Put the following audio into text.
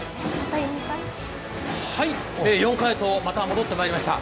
はい、４階へとまた戻ってまいりました。